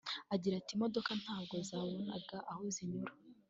Agira ati “Imodoka ntabwo zabonaga aho zinyura